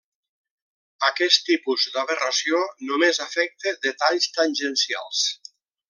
Aquest tipus d'aberració només afecta detalls tangencials.